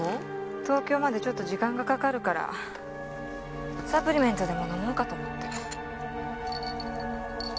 東京までちょっと時間がかかるからサプリメントでも飲もうかと思って。